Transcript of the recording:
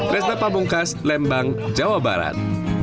resna pabungkas lembang jawa barat